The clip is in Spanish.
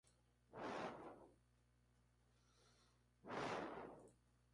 Arrestada, fue torturada por la Dictadura de los Coroneles.